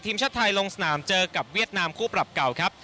ทีมชาติไทยลงสนามเจอกับเวียดนามคู่ปรับเก่าครับ